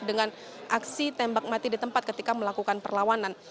dengan aksi tembak mati di tempat ketika melakukan perlawanan